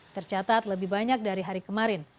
tercatat lebih banyak dari hari kemarin